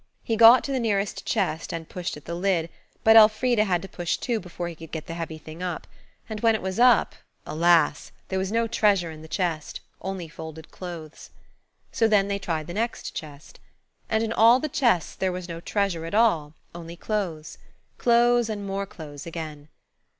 He got to the nearest chest and pushed at the lid, but Elfrida had to push too before he could get the heavy thing up. And when it was up, alas! there was no treasure in the chest–only folded clothes. So then they tried the next chest. And in all the chests there was no treasure at all–only clothes. Clothes, and more clothes again.